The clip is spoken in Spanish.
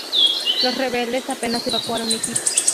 Los rebeldes apenas evacuaron equipo.